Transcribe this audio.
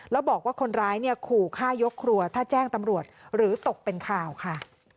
แล้วบอกว่าคนร้ายเนี่ยขู่ฆ่ายกครัวถ้าแจ้งตำรวจหรือตกเป็นข่าวค่ะ